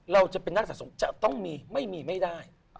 เราจะเป็นนักสะสมจะต้องมีไม่มีไม่ได้